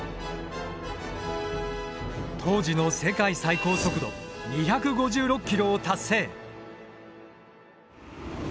当時の世界最高速度２５６キロを達成！